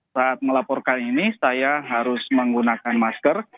saat melaporkan ini saya harus menggunakan masker